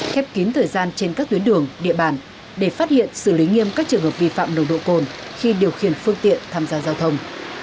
khép kín thời gian trên các tuyến đường địa bàn để phát hiện xử lý nghiêm các trường hợp vi phạm nồng độ cồn khi điều khiển phương tiện tham gia giao thông